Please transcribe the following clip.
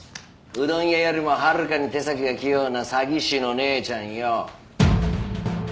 うどん屋よりもはるかに手先が器用な詐欺師の姉ちゃんよ。